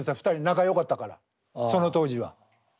２人仲よかったからその当時は。